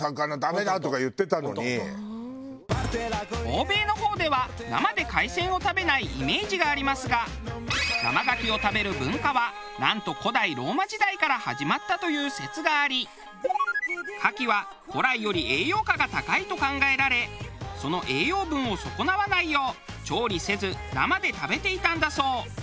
欧米の方では生で海鮮を食べないイメージがありますが生牡蠣を食べる文化はなんと古代ローマ時代から始まったという説があり牡蠣は古来より栄養価が高いと考えられその栄養分を損なわないよう調理せず生で食べていたんだそう。